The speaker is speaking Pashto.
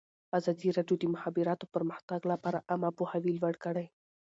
ازادي راډیو د د مخابراتو پرمختګ لپاره عامه پوهاوي لوړ کړی.